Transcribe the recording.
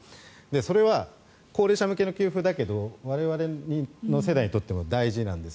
それは高齢者向けの給付だけど我々の世代にとっても大事なんです。